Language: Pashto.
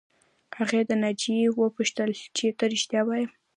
هغې له ناجیې وپوښتل چې رښتیا وایې